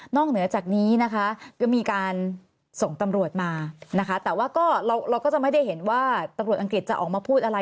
เหนือจากนี้นะคะก็มีการส่งตำรวจมานะคะแต่ว่าก็เราก็จะไม่ได้เห็นว่าตำรวจอังกฤษจะออกมาพูดอะไร